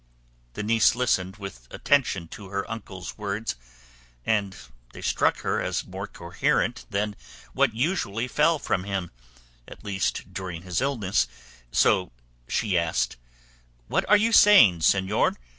The niece listened with attention to her uncle's words, and they struck her as more coherent than what usually fell from him, at least during his illness, so she asked, "What are you saying, señor?